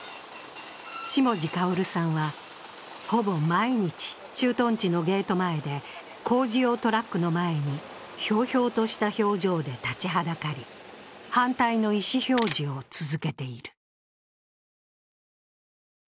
下地薫さんは、ほぼ毎日、駐屯地のゲート前で工事用トラックの前にひょうひょうとした表情で立ちはだかり、反対の意思表示を続けている。